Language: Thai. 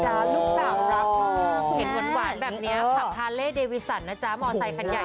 ลูกสาวรักมากเห็นหวานแบบนี้ขับฮาเล่เดวิสันนะจ๊ะมอไซคันใหญ่